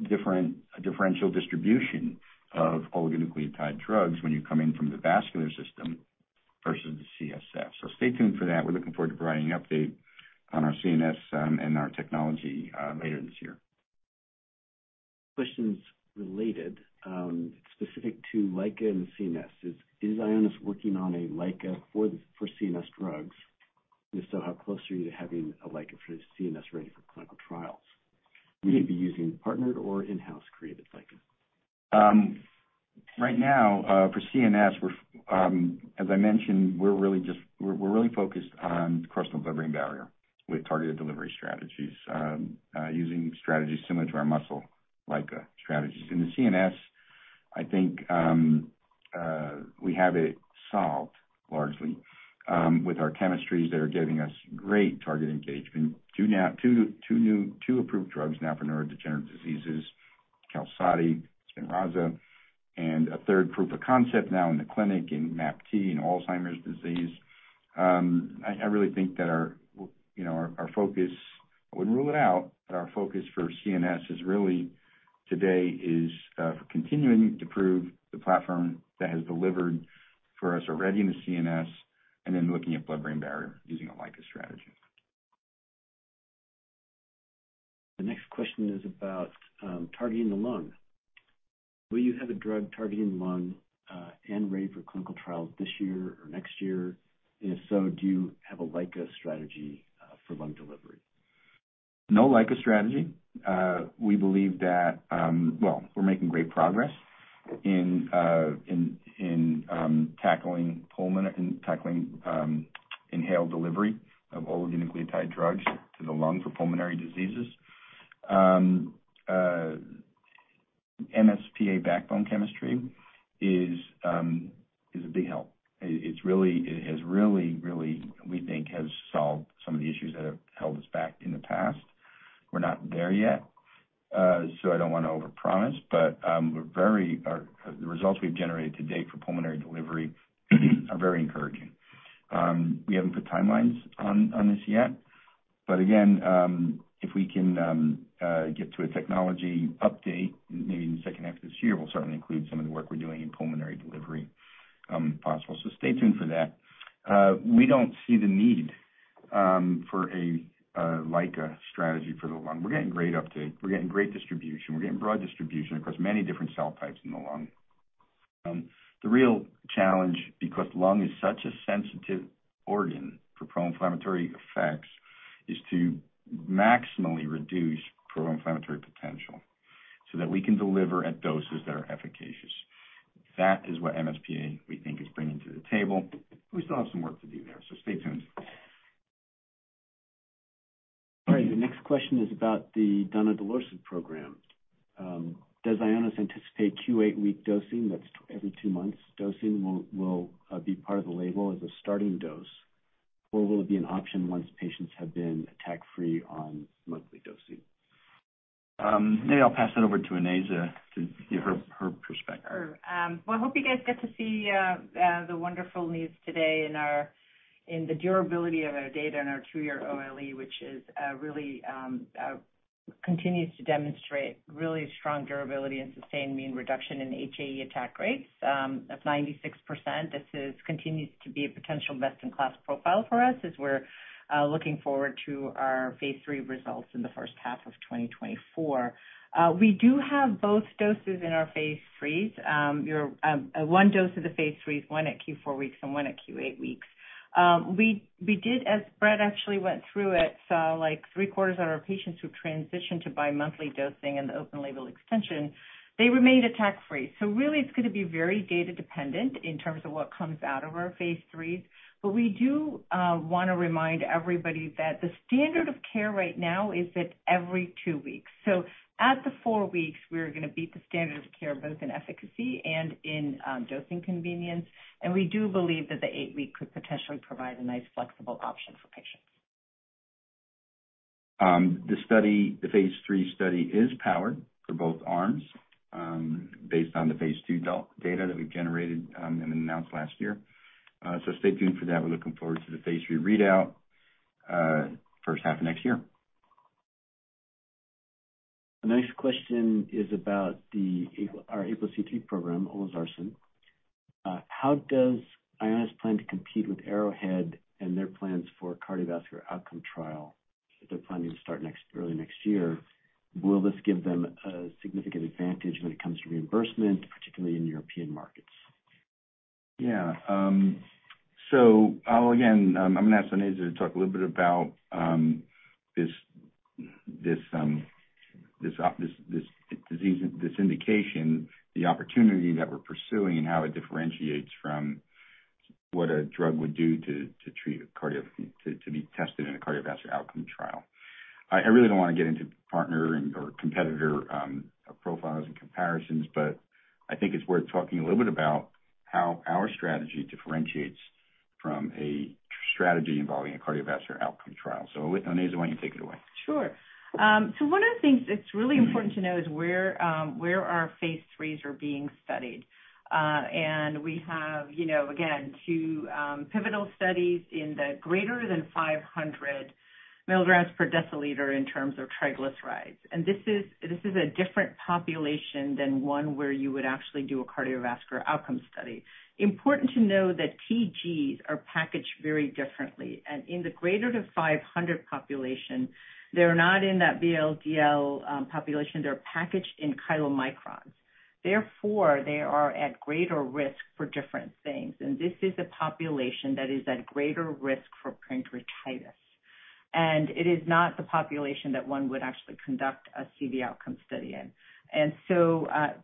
different, a differential distribution of oligonucleotide drugs when you're coming from the vascular system versus the CSF. Stay tuned for that. We're looking forward to providing an update on our CNS and our technology later this year. Questions related, specific to LICA and CNS. Is Ionis working on a LICA for CNS drugs? If so, how close are you to having a LICA for the CNS ready for clinical trials? Will you be using partnered or in-house created LICA? Right now, for CNS, we're, as I mentioned, we're really focused on crossing the blood-brain barrier with targeted delivery strategies, using strategies similar to our muscle LICA strategies. In the CNS, I think, we have it solved largely, with our chemistries that are giving us great target engagement. Two new, two approved drugs now for neurodegenerative diseases, QALSODY, SPINRAZA, and a third proof of concept now in the clinic in MAPT and Alzheimer's disease. I really think that our, you know, our focus, I wouldn't rule it out, but our focus for CNS is really today is, for continuing to prove the platform that has delivered for us already in the CNS, and then looking at blood-brain barrier using a LICA strategy. The next question is about targeting the lung. Will you have a drug targeting the lung, and ready for clinical trials this year or next year? If so, do you have a LICA strategy for lung delivery? No LICA strategy. We believe that, well, we're making great progress in tackling inhaled delivery of oligonucleotide drugs to the lung for pulmonary diseases. MSPA backbone chemistry is a big help. It's really, we think, has solved some of the issues that have held us back in the past. We're not there yet, so I don't want to overpromise, but we're very, the results we've generated to date for pulmonary delivery are very encouraging. We haven't put timelines on this yet, but again, if we can get to a technology update, maybe in the second half of this year, we'll certainly include some of the work we're doing in pulmonary delivery, if possible. Stay tuned for that. We don't see the need for a, like a strategy for the lung. We're getting great uptake. We're getting great distribution. We're getting broad distribution across many different cell types in the lung. The real challenge, because lung is such a sensitive organ for proinflammatory effects, is to maximally reduce proinflammatory potential so that we can deliver at doses that are efficacious. That is what MSPA, we think, is bringing to the table. We still have some work to do there, stay tuned. All right, the next question is about the donidalorsen program. Does Ionis anticipate Q8-week dosing, that's every two months dosing, will be part of the label as a starting dose? Or will it be an option once patients have been attack-free on monthly dosing? Maybe I'll pass that over to Onaiza to give her perspective. Sure. well, I hope you guys get to see the wonderful news today in our, in the durability of our data and our two-year OLE, which is really continues to demonstrate really strong durability and sustained mean reduction in HAE attack rates of 96%. This continues to be a potential best-in-class profile for us as we're looking forward to our phase III results in the first half of 2024. We do have both doses in our phase IIIs. Your one dose of the phase III is one at Q4 weeks and one at Q8 weeks. We did, as Brett actually went through it, saw, like, three-quarters of our patients who transitioned to bi-monthly dosing in the open label extension, they remained attack-free. Really, it's gonna be very data dependent in terms of what comes out of our phase IIIs. We do want to remind everybody that the standard of care right now is at every two weeks. At the four weeks, we are gonna beat the standard of care, both in efficacy and in dosing convenience. We do believe that the eight-week could potentially provide a nice, flexible option for patients. The phase III study is powered for both arms, based on the phase II data that we've generated and announced last year. Stay tuned for that. We're looking forward to the phase III readout, first half of next year. The next question is about our apoC-III program, olezarsen. How does Ionis plan to compete with Arrowhead and their plans for cardiovascular outcome trial that they're planning to start early next year? Will this give them a significant advantage when it comes to reimbursement, particularly in European markets? Yeah. I'll again, I'm gonna ask Onaiza to talk a little bit about this disease, this indication, the opportunity that we're pursuing, and how it differentiates from what a drug would do to treat a cardiovascular outcome trial. I really don't wanna get into partner and or competitor profiles and comparisons, but I think it's worth talking a little bit about how our strategy differentiates from a strategy involving a cardiovascular outcome trial. With Onaiza, why don't you take it away? Sure. One of the things that's really important to know is where our phase IIIs are being studied. We have, you know, again, two pivotal studies in the greater than 500 milligrams per deciliter in terms of triglycerides. This is a different population than one where you would actually do a cardiovascular outcome study. Important to know that TGs are packaged very differently, and in the greater than 500 population, they're not in that VLDL population. They're packaged in chylomicrons. Therefore, they are at greater risk for different things, and this is a population that is at greater risk for pancreatitis. It is not the population that one would actually conduct a CV outcome study in.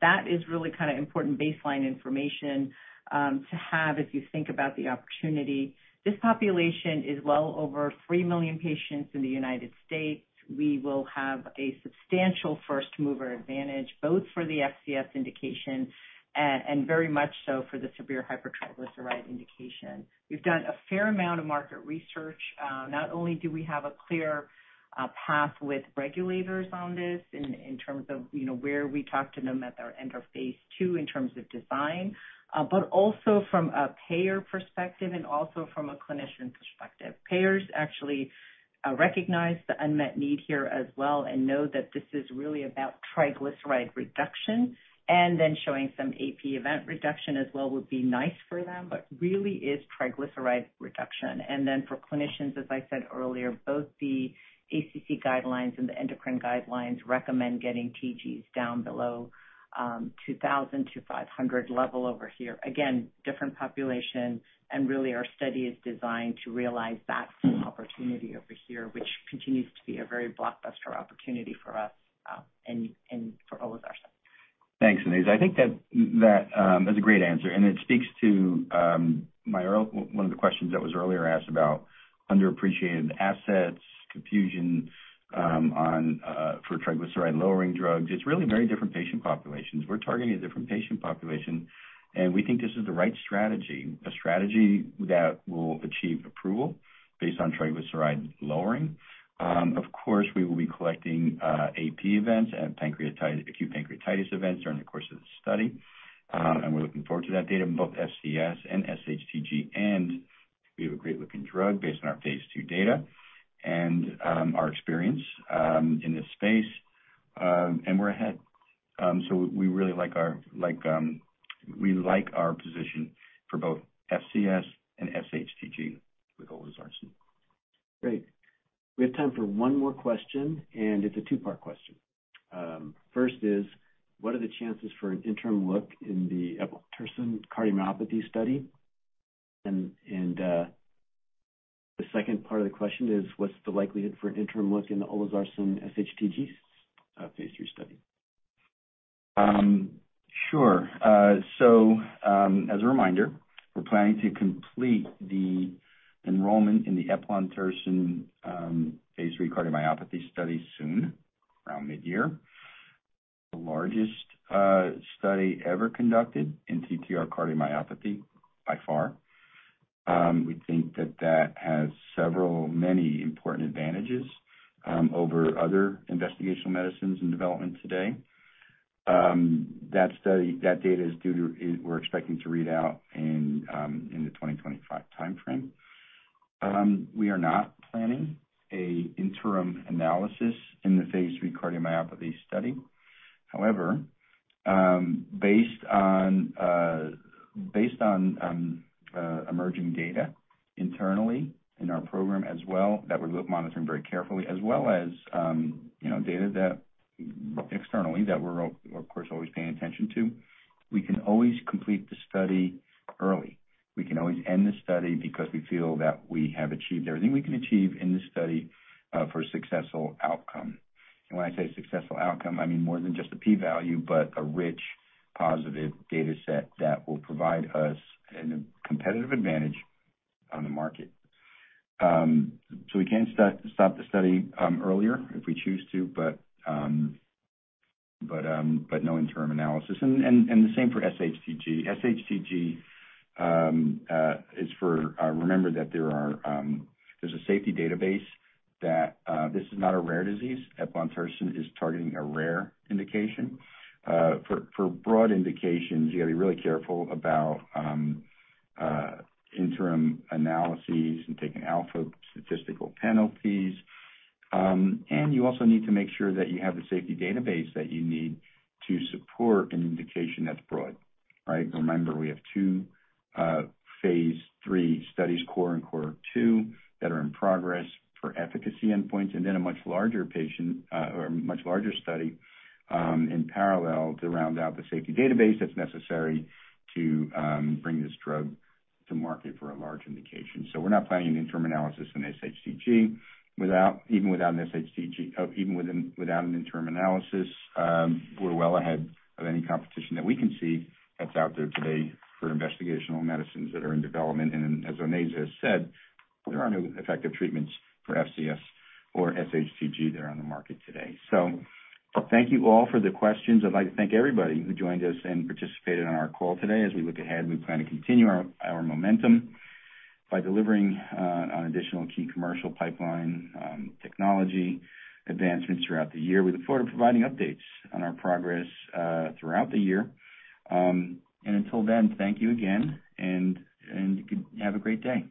That is really kind of important baseline information to have as you think about the opportunity. This population is well over 3 million patients in the United States. We will have a substantial first-mover advantage, both for the FCS indication and very much so for the severe hypertriglyceridemia indication. We've done a fair amount of market research. Not only do we have a clear path with regulators on this in terms of, you know, where we talk to them at our end of phase II in terms of design, but also from a payer perspective and also from a clinician perspective. Payers actually recognize the unmet need here as well and know that this is really about triglyceride reduction, and then showing some AP event reduction as well would be nice for them, but really is triglyceride reduction. For clinicians, as I said earlier, both the ACC guidelines and the endocrine guidelines recommend getting TGs down below, 2,000-500 level over here. Again, different population, and really our study is designed to realize that opportunity over here, which continues to be a very blockbuster opportunity for us, and for olezarsen. Thanks, Onaiza. I think that's a great answer, and it speaks to one of the questions that was earlier asked about underappreciated assets, confusion on for triglyceride-lowering drugs. It's really very different patient populations. We're targeting a different patient population, and we think this is the right strategy, a strategy that will achieve approval based on triglyceride lowering. Of course, we will be collecting AP events and pancreatitis, acute pancreatitis events during the course of the study. We're looking forward to that data in both FCS and SHTG, and we have a great-looking drug based on our phase II data and our experience in this space. We're ahead.... We really like our position for both FCS and SHTG with olezarsen. Great. We have time for one more question, and it's a two-part question. First is, what are the chances for an interim look in the eplontersen cardiomyopathy study, and the second part of the question is, what's the likelihood for an interim look in the olezarsen SHTG phase III study? Sure. As a reminder, we're planning to complete the enrollment in the eplontersen phase III cardiomyopathy study soon, around mid-year. The largest study ever conducted in ATTR cardiomyopathy, by far. We think that has several, many important advantages over other investigational medicines in development today. That study, that data we're expecting to read out in the 2025 timeframe. We are not planning a interim analysis in the phase III cardiomyopathy study. However, based on emerging data internally in our program as well, that we're monitoring very carefully, as well as, you know, data that externally, that we're, of course, always paying attention to, we can always complete the study early. We can always end the study because we feel that we have achieved everything we can achieve in this study, for a successful outcome. When I say successful outcome, I mean more than just a P value, but a rich, positive data set that will provide us a competitive advantage on the market. We can stop the study earlier, if we choose to, but no interim analysis. The same for SHTG. SHTG is for, remember that there are, there's a safety database that, this is not a rare disease. Eplontersen is targeting a rare indication. For broad indications, you've got to be really careful about interim analyses and taking alpha statistical penalties. You also need to make sure that you have the safety database that you need to support an indication that's broad, right? Remember, we have two phase III studies, CORE and CORE2, that are in progress for efficacy endpoints, and then a much larger patient, or a much larger study, in parallel, to round out the safety database that's necessary to bring this drug to market for a large indication. We're not planning an interim analysis in SHTG. Even without an SHTG, even without an interim analysis, we're well ahead of any competition that we can see that's out there today for investigational medicines that are in development. As Onaiza has said, there are no effective treatments for FCS or SHTG that are on the market today. Thank you all for the questions. I'd like to thank everybody who joined us and participated on our call today. As we look ahead, we plan to continue our momentum by delivering on additional key commercial pipeline, technology advancements throughout the year. We look forward to providing updates on our progress throughout the year. Until then, thank you again, and you could have a great day.